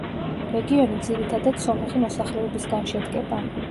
რეგიონი ძირითადად სომეხი მოსახლეობისგან შედგება.